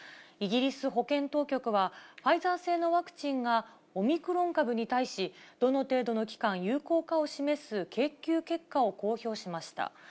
イギリス保健当局は、ファイザー製のワクチンがオミクロン株に対し、どの程度の期間有効かを示す研究結果を公表しました。